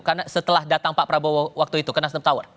karena setelah datang pak prabowo waktu itu ke nasdem tower